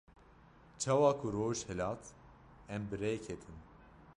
Çawa ku roj hilat em bi rê ketin.